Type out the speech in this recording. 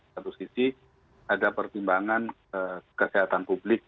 satu sisi ada pertimbangan kesehatan publik